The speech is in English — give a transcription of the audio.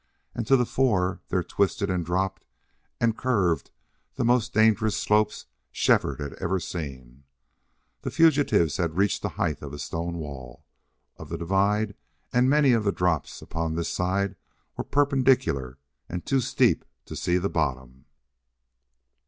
And to the fore there twisted and dropped and curved the most dangerous slopes Shefford had ever seen. The fugitives had reached the height of stone wall, of the divide, and many of the drops upon this side were perpendicular and too steep to see the bottom.